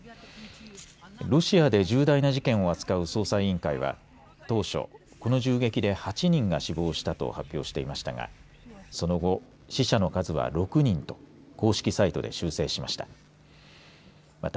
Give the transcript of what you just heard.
ロシアで重大な事件を扱う捜査委員会は当初この銃撃で８人が死亡したあと発表していましたがその後、死者の数は６人と公式サイトで修正しました。